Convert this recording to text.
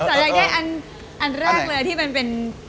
ตอนแรกเลยที่มันเป็น